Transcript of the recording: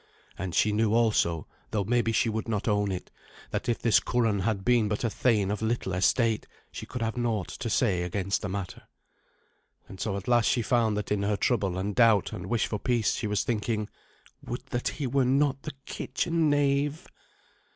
And she knew also, though maybe she would not own it, that if this Curan had been but a thane of little estate, she could have had naught to say against the matter. And so at last she found that in her trouble and doubt and wish for peace she was thinking, "Would that he were not the kitchen knave!"